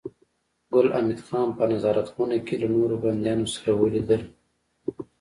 ګل حمید خان په نظارت خونه کې له نورو بنديانو سره ولیدل